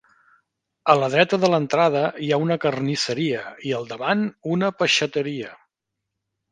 A la dreta de l'entrada hi ha una carnisseria i al davant una peixateria.